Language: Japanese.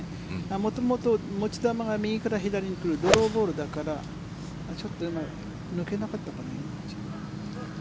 元々、持ち球が右から左に来るドローボールだからちょっとうまく抜けなかったかな。